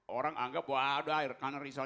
orang anggap bahwa ada karena rizal